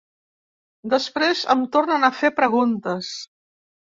Després em tornen a fer preguntes.